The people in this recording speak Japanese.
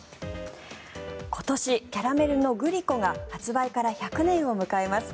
今年、キャラメルのグリコが発売から１００年を迎えます。